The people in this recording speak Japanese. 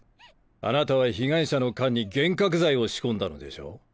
あなたは被害者の缶に幻覚剤を仕込んだのでしょう？